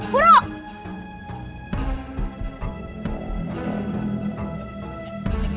putra ingin nusyam